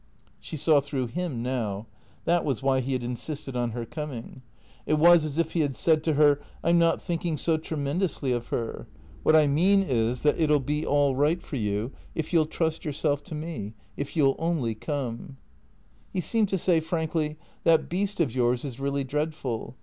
She saw through him now. That was why he had insisted on her coming. It was as if he had said to her, " I 'm not thinking so tremendously of her. What I mean is that it '11 be all right for you if you '11 trust yourself to me ; if you '11 only come." He seemed to say frankly, " That beast of yours is really dreadful.